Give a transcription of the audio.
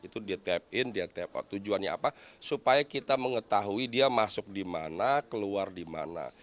itu dia tap in dia tap out tujuannya apa supaya kita mengetahui dia masuk di mana keluar di mana